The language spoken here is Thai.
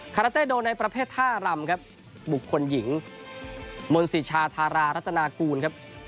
คาราเต้โดในประเภทท่ารำครับบุคคลหญิงมนศิชาธารารัตนากูลครับ